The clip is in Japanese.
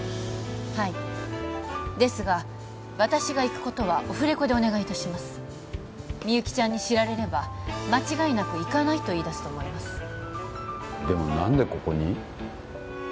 はいですが私が行くことはオフレコでお願いいたしますみゆきちゃんに知られれば間違いなく行かないと言いだすと思いますでも何でここに？